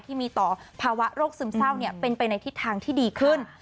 ที่มีต่อภาวะโรคซึมเศร้าเป็นไปในทิศทางที่ดีขึ้น